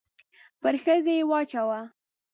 پر ښځې يې واچاوه.